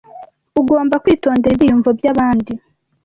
Ugomba kwitondera ibyiyumvo byabandi.